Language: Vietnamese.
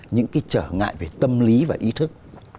những cái trở ngại về tâm lý và ý thức